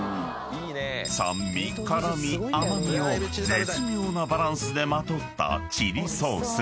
［酸味辛味甘味を絶妙なバランスでまとったチリソース］